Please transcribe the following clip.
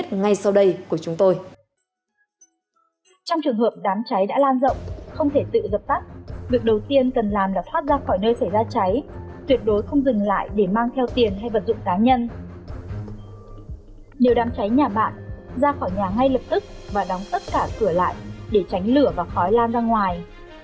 tất cả cửa lại để tránh lửa và khói lan ra ngoài